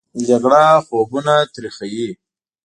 جګړه خویونه تریخوي